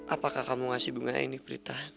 apakah kamu ngasih bunganya ini prita